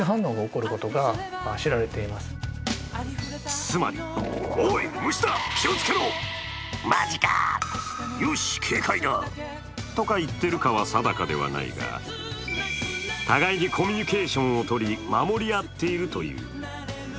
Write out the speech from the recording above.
つまりとか言っているかは定かではないが互いにコミュニケーションをとり、守り合っているという。